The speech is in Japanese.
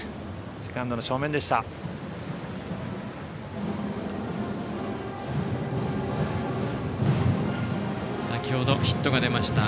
セカンドの正面でした。